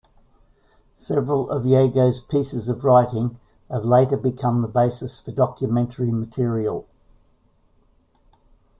Several of Yago's pieces of writing have later become the basis for documentary material.